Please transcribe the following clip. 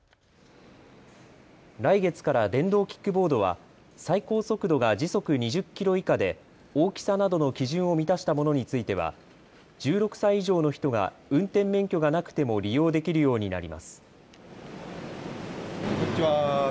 来月から電動キックボードは最高速度が時速２０キロ以下で大きさなどの基準を満たしたものについては１６歳以上の人が運転免許がなくても利用できるようになります。